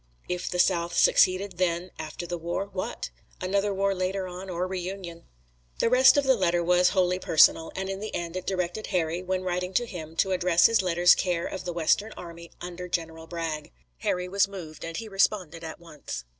If the South succeeded, then, after the war, what? Another war later on or reunion. The rest of the letter was wholly personal, and in the end it directed Harry, when writing to him, to address his letters care of the Western Army under General Bragg. Harry was moved and he responded at once.